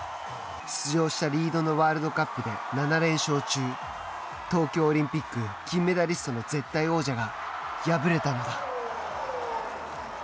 出場したリードのワールドカップで７連勝中東京オリンピック金メダリストの絶対王者が敗れたのだ。